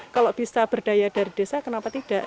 kalau bisa berdaya dari desa kenapa tidak